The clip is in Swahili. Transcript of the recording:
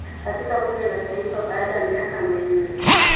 katika bunge la taifa baada ya miaka minne